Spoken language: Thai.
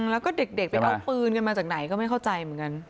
แล้วก็เด็กไปเอาปืนกันมาจากไหนก็ไม่เข้าใจเหมือนกัน